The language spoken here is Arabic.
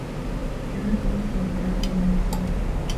كان سامي في مكان ممنوع السّباحة فيه.